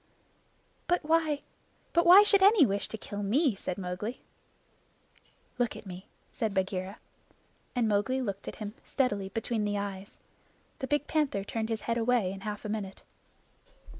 "But why but why should any wish to kill me?" said Mowgli. "Look at me," said Bagheera. And Mowgli looked at him steadily between the eyes. The big panther turned his head away in half a minute.